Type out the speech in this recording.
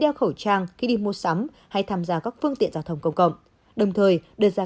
đeo khẩu trang khi đi mua sắm hay tham gia các phương tiện giao thông công cộng đồng thời đưa ra